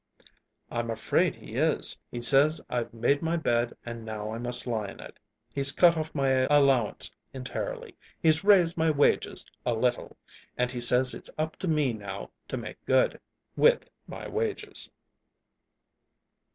"I'm afraid he is. He says I've made my bed and now I must lie in it. He's cut off my allowance entirely. He's raised my wages a little, and he says it's up to me now to make good with my wages."